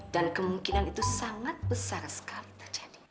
dan kemungkinan itu sangat besar sekali terjadi